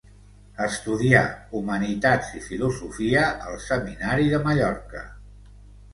Estudià humanitats i filosofia al Seminari de Mallorca.